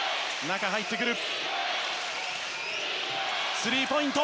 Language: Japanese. スリーポイント。